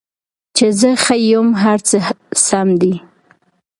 چې زه ښه یم، هر څه سم دي